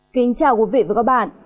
kính chào quý vị và các bạn